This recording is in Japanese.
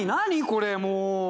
これもう。